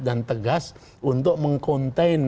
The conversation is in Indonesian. dan tegas untuk meng contain